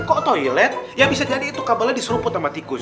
kok toilet ya bisa jadi itu kabelnya diseruput sama tikus